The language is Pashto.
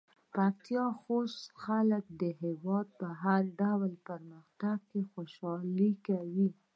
پکتيا او خوست خلک د هېواد په هر ډول پرمختګ کې خوشحالي کوي.